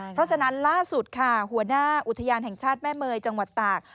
เพราะฉะนั้นล่าสุดค่ะหัวหน้าอุทยานแห่งชาติแม่เมยจังหวัดตาก